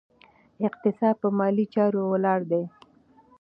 اقتصاد په مالي چارو ولاړ دی.